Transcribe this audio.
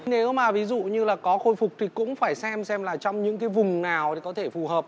nếu mà ví dụ như là có khôi phục thì cũng phải xem xem là trong những cái vùng nào thì có thể phù hợp